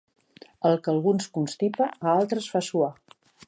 El que a alguns constipa, a altres fa suar.